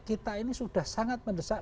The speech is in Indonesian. kita ini sudah sangat mendesak